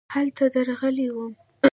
هلته درغلې وم .